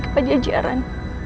kembali kepada jalan